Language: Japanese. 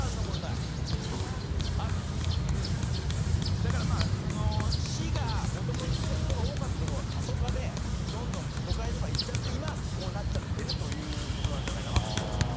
だからまあその市が元々すごい人が多かったところが過疎化でどんどん都会とか行っちゃって今はこうなっちゃってるという事なんじゃないかなと思って。